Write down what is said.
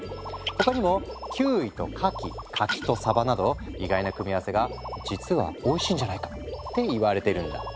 他にもキウイとかき柿とサバなど意外な組み合わせが実はおいしいんじゃないかって言われてるんだ。